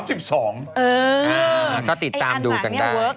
เออก็ติดตามดูกันได้อันหนังนี้เวิร์ก